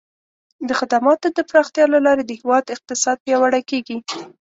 د خدماتو د پراختیا له لارې د هیواد اقتصاد پیاوړی کیږي.